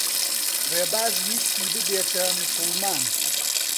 ڕێباز ویستی ببێتە موسڵمان.